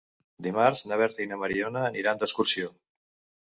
Dimarts na Berta i na Mariona aniran d'excursió.